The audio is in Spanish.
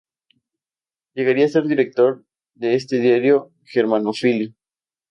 Llegaría a ser director de este diario germanófilo.